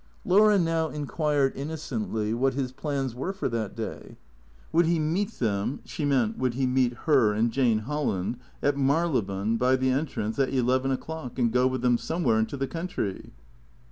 Laura now inquired innocently what his plans were for that day. Would he meet them (she meant, would he meet her and Jane Holland) at Marylebone, by the entrance, at eleven o'clock, and go with them somewhere into the country